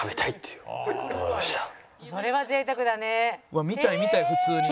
うわ見たい見たい普通に。